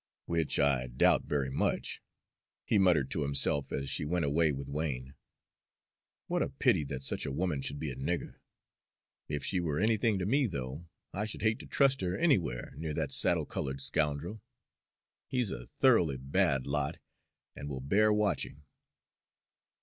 "Which I doubt very much," he muttered to himself, as she went away with Wain. "What a pity that such a woman should be a nigger! If she were anything to me, though, I should hate to trust her anywhere near that saddle colored scoundrel. He's a thoroughly bad lot, and will bear watching."